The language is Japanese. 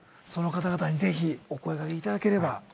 その方々にぜひお声掛けいただければ。